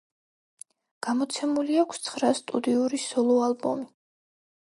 გამოცემული აქვს ცხრა სტუდიური სოლო ალბომი.